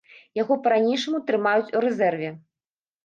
Яго па-ранейшаму трымаюць у рэзерве.